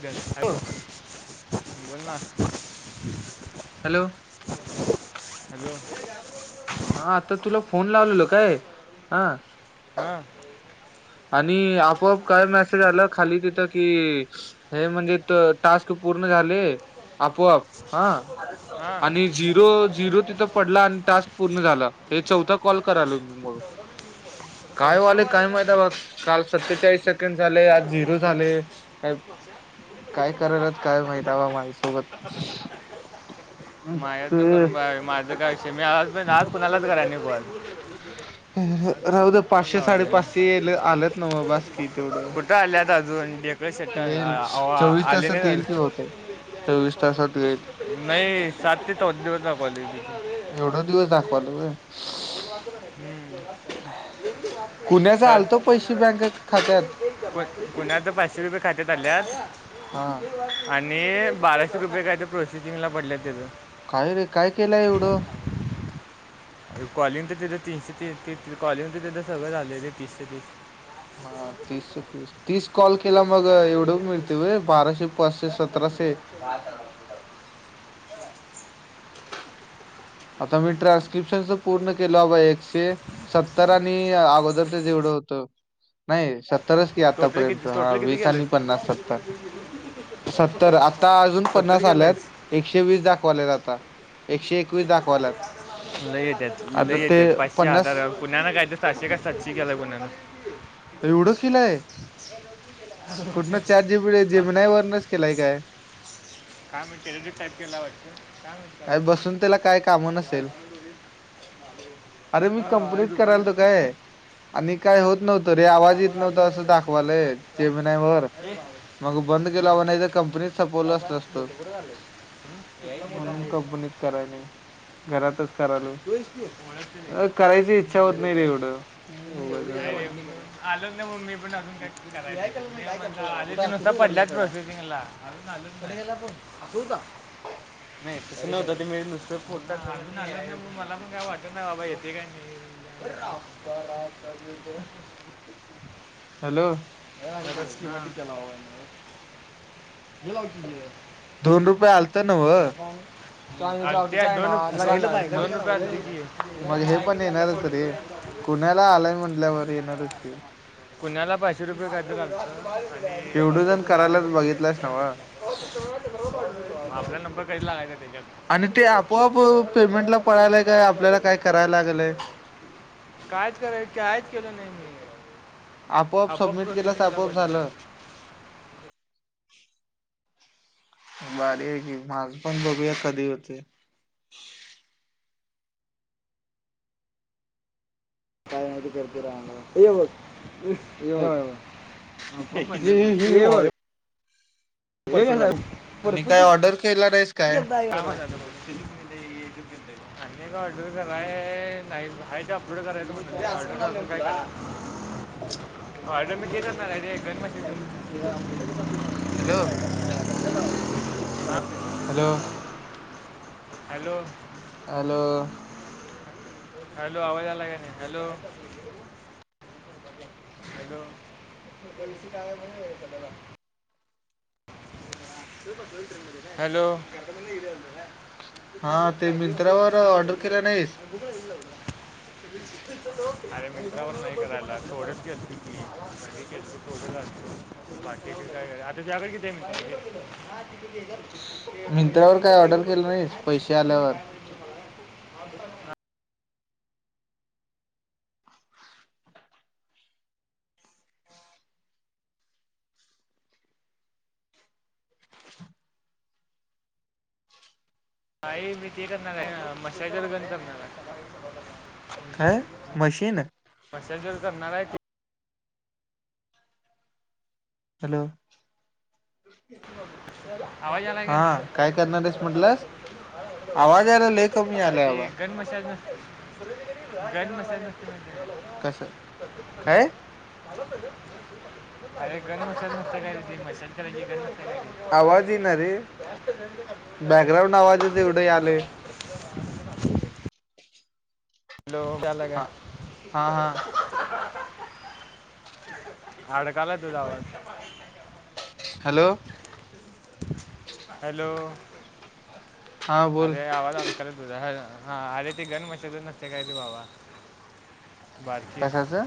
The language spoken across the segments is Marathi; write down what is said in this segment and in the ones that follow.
बोल ना? हॅलो हॅलो.. हा आता तुला फोन लावलेल काय? हा.. हां आणि आपोआप काय मेसेज आला खाली तिथं कि हे म्हणजे टास्क पूर्ण झाले आपोआप हा हां आणि झिरो झिरो तिथं पडला आणि टास्क पूर्ण झाला. चौथा कॉल कराल चौथा कायले कॉल काय झालाय माहि काल सत्तेचाळीस सेकंड झाले आज झिरो झाले काय? काय करायलात काय माहित बा माझ्यासोबत म यज न करू बाझ. काय विषय मी आज आज कुणालाच कराय नि पन ह. आलंत ना मग बास कि तेवढं कुठे आलेता? अजून डेक शेट्ट येईल चोवीस आले तासात येईल नाहीज. कि होत चोवीस तासात येईल नाही साात ते हो दिवस कॉलेज एवढा दिवस दाखवाल ब खात्यात कण्यात तर पाचशे रुपये खात. हा ल्यात आणि बाराशे रुपये काय प्रोसेसिंगला पडल्यात त्याचं काय रे काय केलंय एवढं कॉलिंग तर तिथं तीनशे ती कॉलिंग तर तिथं सगळं झाले तीसशे तीस ह तीसशे तीस तीस कॉल केला मग एवढं मिळते व बाराशे पाचशे सतरा ह आता मी ट्रान्स्क्रिप्शन पूर्ण केलं एकशे सत्तर अगोदरच जेवढं होत नाही स सर क मग टोटल आतापर्यंत किती ह टोटल किती वीस आणि गेलंयस पन्नास सतर सतर आता अजून सत्तर गेलंयस एके व द एके एक दवा लय येतत लय येतत पाचशे पन्नास हजार कुण्यान काय ते सातशे काय सातशे केलं कुण्यां एवढं किलंय कुठनं चार जीबी जेब नाही वरणच केलाय काय कामेंट एड टाईप केला वाटत कामेंटय काय बसून त्याला काय काम नसेल. अरे मी कंप्नीट करायल तो काय आणि काय होत नव्हतं रे आवाज बाबा येत गाडी नव्हता असं दाखवालंय जेमनावरर मग बंद केला व नाही तर कंपनी सपवलं अस ठ बर झाले मुलं म्हणून आहे कंपनीत कराय नाही घरातच करालो तू आहेस की? ओळखते लगेच करायची इच्छा होत नाही रे एवढं उघायचवळ आलं मग मी पण अजूनधीुस पडल्या प्रोसेसिंगला पण ठेवू का नाहीच नव्हं ते मी नुसत फोलत मला मग काय वाटत नाही बाबा येते का नाही आता हॅलो रेस्क्यू केलावा गलाव कि दोन रुपये आलत ना व आणि त्या दोन- लागायला पाहिजे. मग दोन रुपये असते की मग हे पण येणारच येणार कुण्याला पाचशे रुपये कायद घत केवढं जण करायलाच बघितलास नव्हं. आपला नंबर कधी लागायचा आणि ते आपोआपो ज त मळा पडला पाार करायला लागलंय का कायच कराय कायच केलं नाही मी आपोआप सबमिट केल्यास प्रोसेसिंगला आपोआप पडले झालं भारी आहे की माझ पण बघुया कधी येतय काही नाही करीत राहणार अन ऎंटिलेजेबल अन ऎंटिलेजेबल आणि काय ऑर्डर केल नाहीस करता आहे. आवाजच नाही अन ऎंटिलेजेबल अन ऎंटिलेजेबल हॅलो अन ऎंटिलेजेबल हॅलो हॅलो हॅलो हॅलो आवाज आला का नाही हॅलो हॅलो बस का म्ह व का हॅलो हा ते मिंत्रावर ऑर्डर केलं नाहीस [unintelligible] [unintelligible] अरे मित्रावर सही करायला प्रोडक्ट घेतल मी. बाकी काय आताच्याकडे किती आहे? तिथ पहिले पडल मिंत्रावर काय ना ऑर्डर केलं तिथ नाहीस तून पैसे आल्यावर मी काय म्हणल तुम्हाला ह हा मी के करणार मच्छ लग करणार काय मशीन मशाजर करणार आहे ते. हॅलो आवाज आलाय का? हा काय करणार आहेस म्हटलंस आवाज यायला लय कमी आलाय आबा गन मसाज गन मसाज म्हणजे कस काय? अरे ग्रंत का शेतकराची ग आवाज येईना रे बॅकग्राऊंड [unintelligible] आवाजच एवढं आलंय [unintelligible] हॅलो झाल का? हा हा हा [unintelligible] हॅलो हॅलो हा बोल अरे! आवाज अडकलाय तुझा. हा अरे! ती गन मशाज नसते काय ते भावा बाकी? कशाचं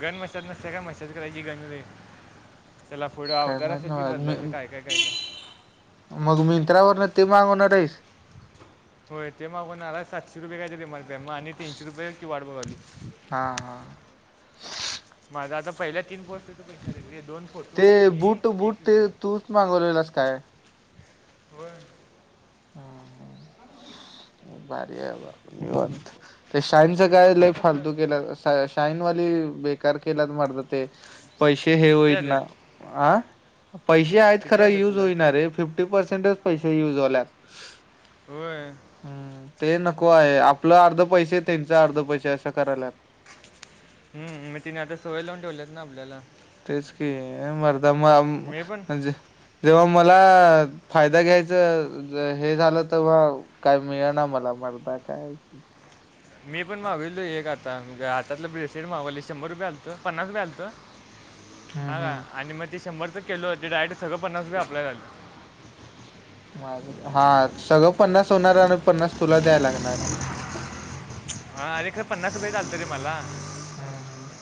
गन मसाज नसते का मसाज करायची गन नाही त्याला पुढं काय अवजार माहित असेल की बदलायचं नाही काय काय काही नाही. मग मिंत्रावर न ते मागवणार आहेस. होय ते मागुन आलाय सातशे रुपये काही तरी म्हणताय मग आणि तीनशे रुपये की वाट बघावी. हा हा माझा आता पहिल्या तीन गोष्टट हो त प ते बुट- बुट ते तुच मागवलेलास काय? वर हम् ह भारी निवांत. ते हं, शाईनच ते काय ल बोटला कसं फालतु केला शाईन वाली बेकार केलात मारतात. ते पैसे हे किती होईत आलेत ना पैसे आहेत किती खरं आले युज तुला होईणारे फिफ्टी पर्सेंटच पैसे युज होल्यात. होय हम्म ते नको आहे आपलं अर्ध पैसे त्यांच अर्ध पैसे असं करायल्यात हम्म मी तिने आता सवई लावून ठेवल्यात ना आपल्याला तेच की मरदा म मी पण जव मला फायदा घ्यायच हे झालं. तर काय मिळना मला पण काय? मी पण मावलो एक आता हातातलं. ब्रेसलेट शंभर रुपये पन्नास रुपये असते. हम्म हा का हम्म. आणि मग ते शंभर [unintelligible] केलं हो डायरेक्ट सगळं पन्नास टक्के अप्लाय झालं. माझ हा सगळं पन्नास होणार आणि पन्नास तुला द्याय लागणार. हा अरे! खर पन्नास रुपये चालत. रे मला हम्म हम्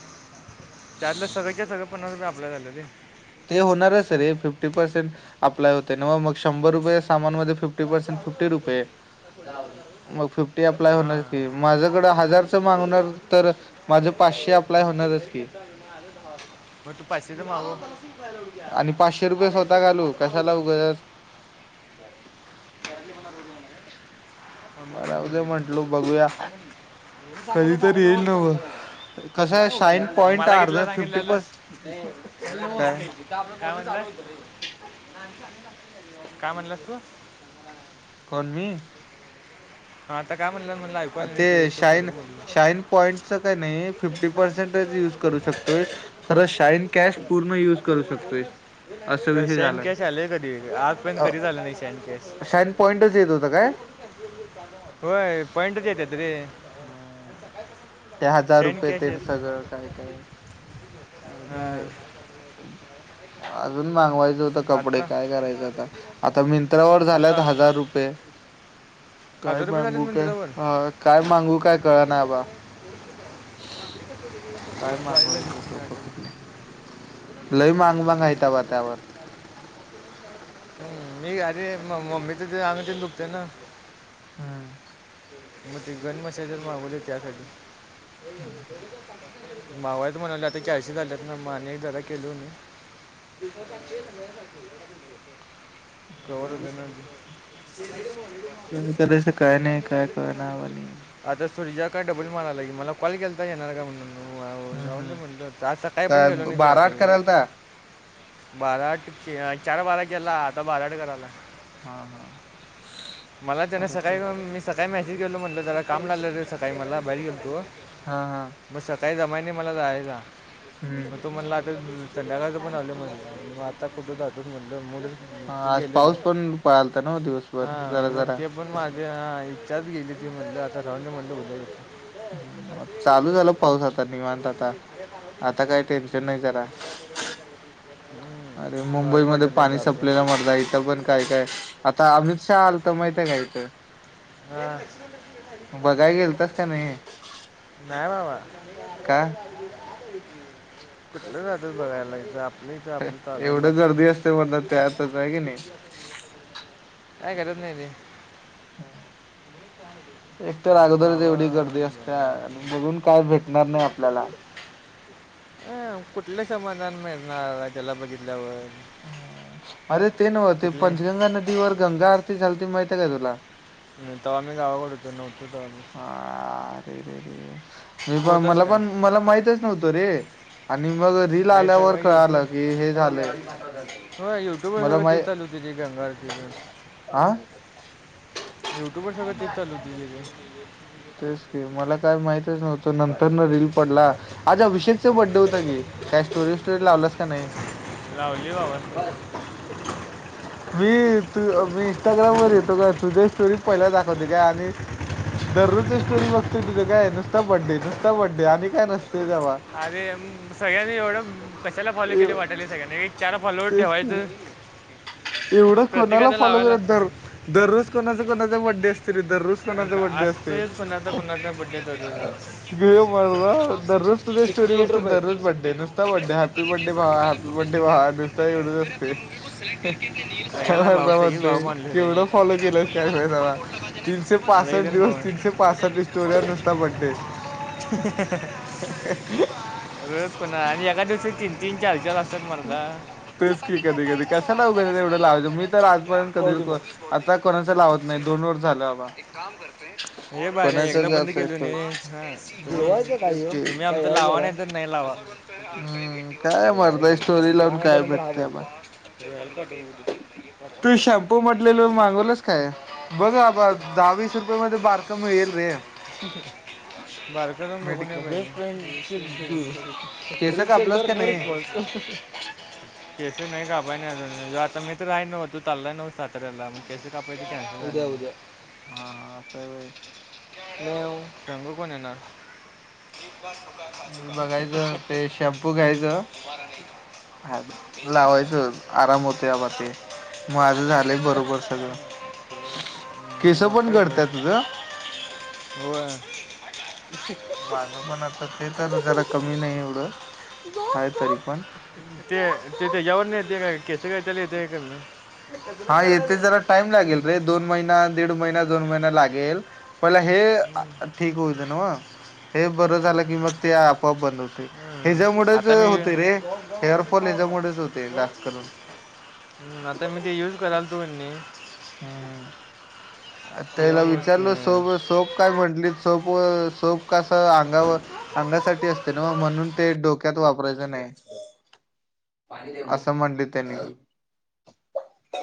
[unintelligible] पन्ना रुपया आपल्या झाले. ते होणारच रे फिफ्टी पर्सेंट अप्लाय होते. ना मग म शंभर रुपये सामान मध्ये फिफ्टी पर्सेंट मग फिफ्टी आपलाय होणारच की हां माझ्याकड हजारच मागणार तर माझ पाचशे अप्लाय होणारच की. म तू पाचशेच मागवतो आणि पाचशे रुपये स्वतः घालू कशाला उगाच. राहूदे म्हंटलो बघूया [unintelligible] चांगलं कधीतरी साडेनऊ येईल ना चांगल मग कसं आहे शाईन [unintelligible] म पॉईंट मला अर्ध कतीला फिफ्टी सांगितलेलं, पर्स काय काय म्हटलं? [unintelligible] [inaudible] काय म्हणलंस तू? कोण मी? हा आता का ते शाईन, शाईन पॉइंटच क नाई फिफ्टी पर्सेंटच युज करू शकत. खरं शाईन कॅश पूर्ण युज करू शकतोय. असा तर विषय शैन झालाय. कॅश आले कधी आजपर्यंत अ कधी झालं नाही शैन कॅश शईन पॉइंटच येत होत काय? होय पॉईंटच येतात. रे हम ते हजार सेंड रुपये कॅश तेन येत सगळं नाही काय काय हां अजून मागवायच [unintelligible] कपडे आत्ता काय करायच आता, आता मंत्रावर आता झाल्यात हजार रुपये. काय हजार रुपये झालेत मंदिरावर मागू काय कळना अबा. [unintelligible] काय मागवायचं डोकं फिरलय. लय मांगमांग आहे बा त्यावर. हम मी अरे म मम्मी [unintelligible] तेन दुखते ना. हम्. मग ते गनमश जन मागोलय त्यासाठी. हा हा. मावायच म्हणालोय. आता कॅशी झाल्यात ना माने बघू [unintelligible] [unintelligible] [unintelligible] नावल सुरजा का डबल मारालाये मला कॉल केलता येणार का म्हणून. हो जाऊ दे हम्म म्हणल सकाळी पण काय गेलो नाही बारा त्याकड. आठ करायलता बाराआट चार बारा केला आता बाराआट करालाय. हा हा मला त्यान परत सकाळी म काय मेसेज गेल म्हटलं जरा काम लागलं रे सकाळी मला बाहेर गेल तो हा हा म सकाळी जमाय मला जायचा, मग हम्म तू म्हणला आता संध्याकाळी पण आलो म्हणला म आता कुठ जा [unintelligible] आज गेले पाऊस ते पण पळालता ना हा दिवसभर जरा मग जरा ते पण माझ्या आई [unintelligible] म्हणल आता राहुदे मधलं उदय येतो. हम्. चालू झाल पाऊस आता निवांत आता, आता काही टेन्शन नाही जरा. अरे हम्म, मुंबई भारी मध्ये वाटलं एक पाणी दादा संपलेला मरदा इथं पण काय काय आता अमित शा शाहा आलत ईथ माहित हां काय ईथ. नाही बाबा. काय? कुठलं जातोस बघायला ईथ आप ये ईथ आपलं जागा आहे बस एवढं गर्दी असते म्हणतात त्यातच आहे की नाही [unintelligible] काही करत नाही ते. [unintelligible] एक तर अगोदरच जावा एवढी गर्दी असत्या आणि बोलुन काय भेटणार नाही आपल्याला. [inaudible] अ कुठल्या समाधान मिळणार त्याला बघितल्यावर अ अरे ते नव्हते कुठले पंचगंगा नदीवर गंगा आरती झाचाल त माहती का तुला तेव्हामी गावाकडतो नव्हो. हारे रेे मी तू पण होतास मला काय पण मला माहितच नव्हतो रे. आणि मग रीलील आहे आल्यावर सगळं यूट्यूब कळालं की हे झालं [unintelligible] हो युट्यूब वर सगळ ते चालू होते ते गंगा आरती च. आह. युट्यूबर सगळं ते चालू होत तथे तेच क मला काय माहितच नव्हतं नंतर न रील पडला आज अभिषेक चा बर्थडे होत की काही स्टोरी विसटोरी लावलस की नाही. आली बाबा [unintelligible] मी तू मी इंस्टाग्राम वर येतो का तुझ्या स्टोरी पहिला दाखवते का आणि दररोजची स्टोरी बघतेय तुझं काय नुस्ता बर्थडे नुसता बर्थडे आणि काय नसतते. अरे आम्ही सगळ्यांनी एवढं कशाला फॉलो केले एव वाटाले सगळ्यांनी एक चार फल वर तेच की ठेवायचं. एवढं कोणाला प्रत्येकाला फॉलो लावायला करत दर लागते दररोज कोणाचा कोणाचा बर्थडे असतो. बर का आज तरी कुणाचा कुणाचा बर्थडे करू नये. रोज तझ स्टोरी फक्त दररोज नुसता टिकट्स बुक हप करने के लिए बर्थडे सबसे भावा पहले हप आपको डिस्ट्रिक्ट ऐप ब्डेे ओपन नुसता करना है एवढज फिर अपनी ह मूवी को सिलेक्ट करके अपने नियर [unintelligible] काय सगळ्याला भाव मरता सगळे म्हणते भाव मानले ते केवढं फॉलो फिर आपको केलंस ये काय वाला कूपन फयदामा कोड लगा देना है तीनश जिसके बाद लई पासष्ट जण भाव दिवस आहे. तीनशे टिकट बुक हो पासष्ट जाएगी सिर्फ स्टोरया वन नसता थर्टी बर्थडे [inaudible] रोज कोणा आणि एका दिवशी तीन तीन चार चार असतात मरता तेच की कधी कधी कशा लावू घे तेवढं हो लावायचं मी तर खरं यार आजपर्यंत कधी मूवीज बहुत देख आता कोणाच लावत नाही. सही दोन वर बात झालं. बाबा एक काम करते हे पाय कोणाच एकदा बंद जाच केल जुळवायचं तेच की काहीयो लावाण तर नाही लावा. हा काय हम्म भेटी होत काय नाही मर्दा स्टोरी लावून त्या काय नंतर हा भेटतय बा बोलत [unintelligible] तू शॅम्पू म्हटलेल मागवलंच काय बघा आबा दहावीस रुपया मध्ये बारका मिळेल रे मेड [unintelligible] कापलास सेंटर का मध्ये नाही हा केस नाही का पा अजून ज आता मी काय नव्हत चाल नव्हत लाब केस कापायच उदया उदया हा हा आता वय. मऊ रंगो कोण येणार. बघायचं ते शॅम्पू घ्यायचं. हात लावायच आराम होते आबा ते माझं झालंय बरोबर सगळं [inaudible] पण मोठे गळत्यात तुझं ब हो [inaudible] माझं पण [inaudible] आहे तरी पण ते ते त्याच्यावर नाही येते का केच कायच्याला येते का मी [unintelligible] हा येथे जरा टाईम लागेल रे दोन महिना दीड महिना दोन महिना लागेल पहिला [inaudible] हे ठीक होऊ दे नव ते हे बरं झालं की मग ते आपआप बर. हम्म. ह्याच्यामुळेच आता मी होतेय रे हेअर फॉल ह्याच्यामुळेच होतय जास्त करून हम् नंतर मी ते [inaudible] आता मग ते युज कराल ते [unintelligible] त्याच्यामुळे सोप व सोप कस अंगावर अंगासाठी अस ना म्हणून ते डोक्यात वापरायचं [inaudible] नाही. असं म्हणले यांनी [inaudible]